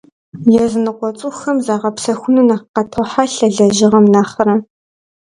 Языныкъуэ цӀыхухэм загъэпсэхуныр нэхъ къатохьэлъэ лэжьыгъэм нэхърэ.